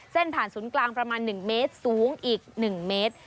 ผ่านศูนย์กลางประมาณ๑เมตรสูงอีก๑เมตร